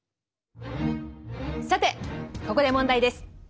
さてここで問題です。